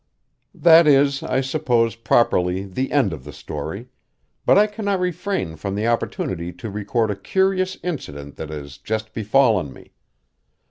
That is, I suppose, properly the end of the story; but I cannot refrain from the opportunity to record a curious incident that has just befallen me.